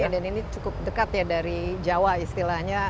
dan ini cukup dekat ya dari jawa istilahnya